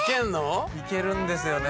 行けるんですよね。